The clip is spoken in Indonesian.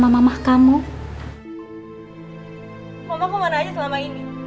mama kemana aja selama ini